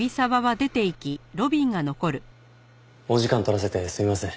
お時間取らせてすみません。